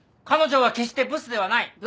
彼女は決してブスではない！